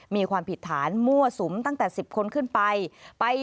มีความผิดฐานมั่วสุมตั้งแต่๑๐คนขึ้นไป